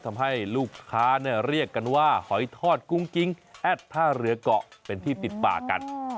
ทำให้ลูกค้าเรียกกันว่าหอยทอดกุ้งกิ๊งแอดท่าเรือเกาะเป็นที่ติดปากกัน